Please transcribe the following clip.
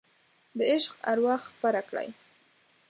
د عشق اروا خپره کړئ